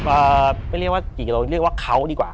เอ่อไม่เรียกว่ากี่กิโลเรียกว่าเขาดีกว่า